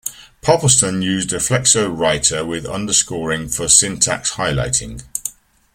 Popplestone used a Flexowriter with underscoring for syntax highlighting.